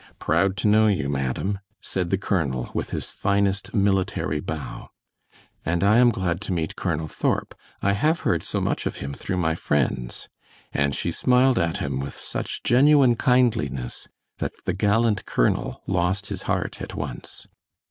"Proud to know you madam," said the colonel, with his finest military bow. "And I am glad to meet Colonel Thorp; I have heard so much of him through my friends," and she smiled at him with such genuine kindliness that the gallant colonel lost his heart at once.